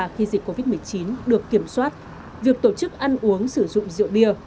khi dịch covid một mươi chín được kiểm soát việc tổ chức ăn uống sử dụng rượu bia